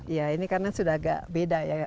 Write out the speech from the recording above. ya ini karena sudah agak beda ya